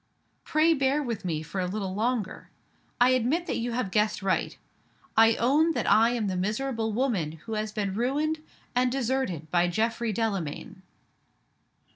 Pray bear with me for a little longer. I admit that you have guessed right. I own that I am the miserable woman who has been ruined and deserted by Geoffrey Delamayn."